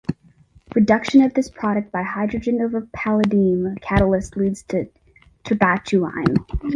Reduction of this product by hydrogen over a palladium catalyst leads to terbutaline.